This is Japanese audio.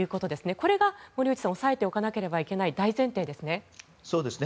これが森内さん押さえておかないといけない大前提ですね。